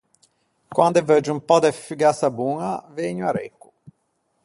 Quande veuggio un pö de fugassa boña vëgno à Recco.